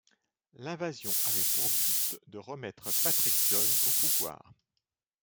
L'invasion avait pour but de remettre Patrick John au pouvoir.